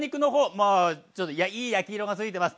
もういい焼き色がついてます。